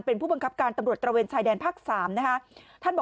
เป็นผู้บังคับการตำรวจตระเวนชายแดนภาค๓นะคะ